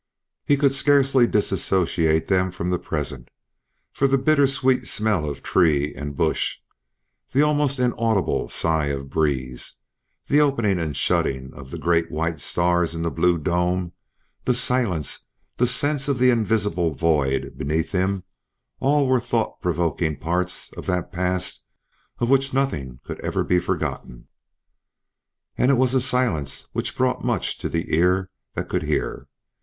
He could scarcely dissociate them from the present, for the bitter sweet smell of tree and bush, the almost inaudible sigh of breeze, the opening and shutting of the great white stars in the blue dome, the silence, the sense of the invisible void beneath him all were thought provoking parts of that past of which nothing could ever be forgotten. And it was a silence which brought much to the ear that could hear.